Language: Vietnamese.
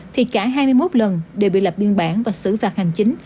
thì cả hai mươi một lần đều bị lập biên bản và xử phạt hành chính